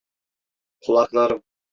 Kulaklarım!